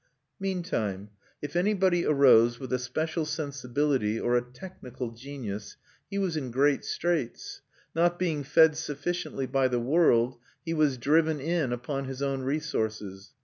Meantime, if anybody arose with a special sensibility or a technical genius, he was in great straits; not being fed sufficiently by the world, he was driven in upon his own resources.